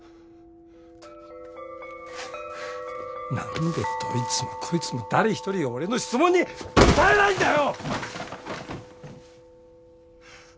何でどいつもこいつも誰一人俺の質問に答えないんだよ！